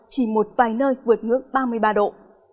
chỉ một vài nơi vượt ngưỡng ba mươi ba độ